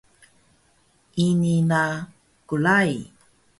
Ini na klai